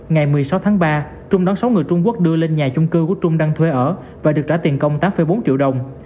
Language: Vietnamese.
ngày một mươi sáu tháng ba trung đón sáu người trung quốc đưa lên nhà chung cư của trung đang thuê ở và được trả tiền công tám bốn triệu đồng